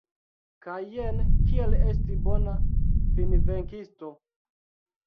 Kaj jen kiel esti bona finvenkisto.